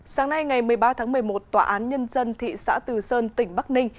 sáng nay ngày một mươi ba tháng một mươi một tòa án nhân dân thị xã từ sơn tỉnh bắc ninh